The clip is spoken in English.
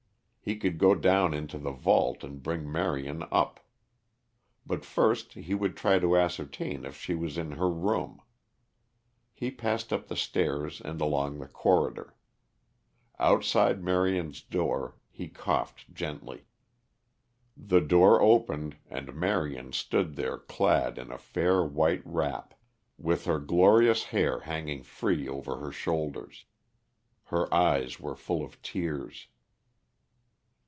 He could go down into the vault and bring Marion up. But first he would try to ascertain if she was in her room. He passed up the stairs and along the corridor. Outside Marion's door he coughed gently. The door opened and Marion stood there clad in a fair white wrap, with her glorious hair hanging free over her shoulders. Her eyes were full of tears.